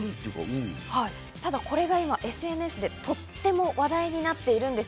ただこれが今ＳＮＳでとっても話題になっているんです。